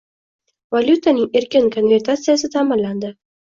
Valutaning erkin konvertatsiyasi ta’minlandi.